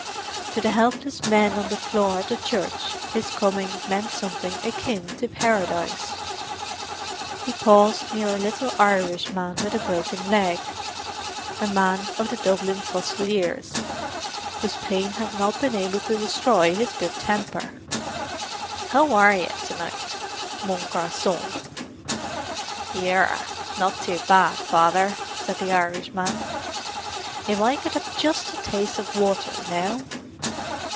To the helpless men on the floor of the church his coming meant something akin to Paradise. He paused near a little Irishman with a broken leg, a man of the Dublin Fusiliers, whose pain had not been able to destroy his good temper. "How are you to night, mon garcon?" "Yerra, not too bad, Father," said the Irishman. "If I could have just a taste of water, now?"